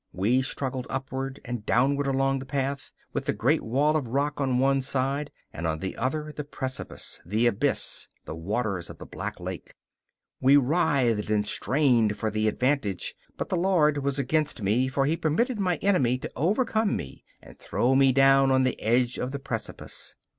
We struggled upward and downward along the path, with the great wall of rock on one side, and on the other the precipice, the abyss, the waters of the Black Lake! We writhed and strained for the advantage; but the Lord was against me for He permited my enemy to overcome me and throw me down on the edge of the precipice.